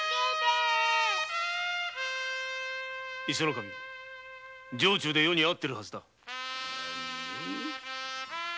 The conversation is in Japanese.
伊勢守城中で余に会っているはずだ。